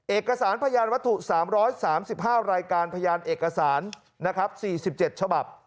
เอกสารพยานวัตถุ๓๓๕รายการพยานเอกสาร๔๗ฉบับ